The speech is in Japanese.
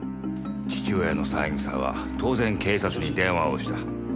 父親の三枝は当然警察に電話をした。